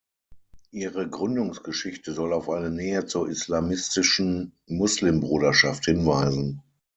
Ihre Gründungsgeschichte soll auf eine Nähe zur islamistischen Muslimbruderschaft hinweisen.